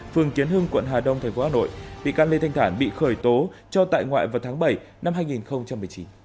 phường kiến hưng quận hà đông tp hà nội bị can lê thanh thản bị khởi tố cho tại ngoại vào tháng bảy năm hai nghìn một mươi chín